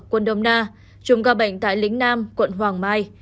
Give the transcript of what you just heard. quận đồng na chùm ca bệnh tại lính nam quận hoàng mai